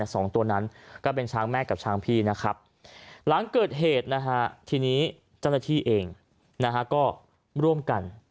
สองตัวนั้นก็เป็นช้างแม่กับช้างพี่นะครับหลังเกิดเหตุนะฮะทีนี้เจ้าหน้าที่เองนะฮะก็ร่วมกัน